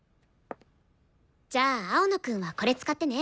じゃあ青野くんはこれ使ってね。